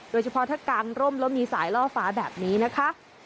โดยเฉพาะถ้ากางร่มแล้วมีสายล่อฟ้าแบบนี้นะคะ